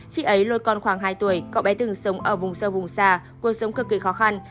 khi ấy lôi con khoảng hai tuổi cậu bé từng sống ở vùng sâu vùng xa cuộc sống cực kỳ khó khăn